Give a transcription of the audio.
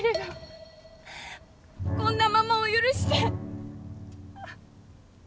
こんなママを許して。